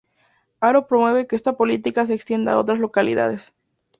Haro promueve que esta política se extienda a otras localidades.